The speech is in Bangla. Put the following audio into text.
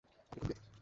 আপনি খুব বেয়াদব।